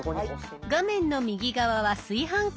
画面の右側は炊飯器。